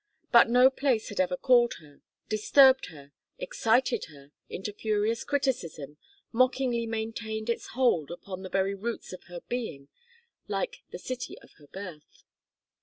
But no place had ever called her, disturbed her, excited her into furious criticism, mockingly maintained its hold upon the very roots of her being, like the city of her birth.